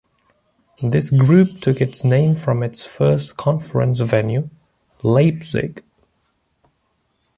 This group took its name from its first conference venue, Leipzig.